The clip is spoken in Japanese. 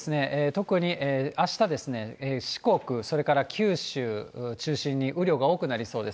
特にあしたですね、四国、それから九州中心に雨量が多くなりそうです。